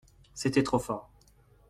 C'était trop fort.